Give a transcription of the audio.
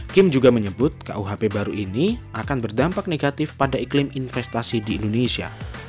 kim juga menyebut kuhp baru ini akan berdampak negatif pada iklim investasi di indonesia